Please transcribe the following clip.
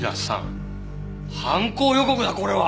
犯行予告だこれは！